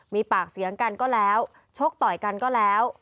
มีปากเสียงกันก็แล้วชกต่อยกันก็แล้ว